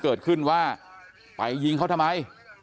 เกิดขึ้นว่าไปยิงเขาทำไม